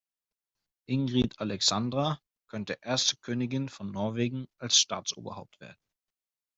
Ingrid Alexandra könnte erste Königin von Norwegen als Staatsoberhaupt werden.